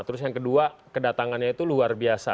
terus yang kedua kedatangannya itu luar biasa